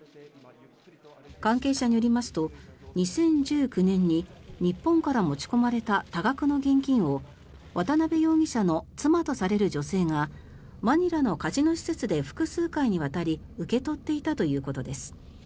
関係者によりますと２０１９年に日本から持ち込まれた多額の現金を渡邉容疑者の妻とされる女性がマニラのカジノ施設で複数回にわたり受け取っていたということです。